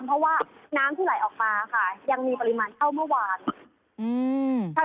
เพราะว่าน้ำที่ไหลออกมาค่ะยังมีปริมาณเท่าเมื่อวาน